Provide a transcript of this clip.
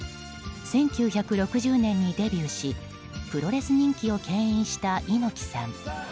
１９６０年にデビューしプロレス人気を牽引した猪木さん。